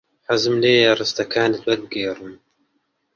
حەزم لێیە ڕستەکانت وەربگێڕم.